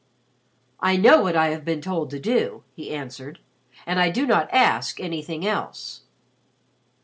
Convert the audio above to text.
"I know what I have been told to do," he answered. "I do not ask anything else."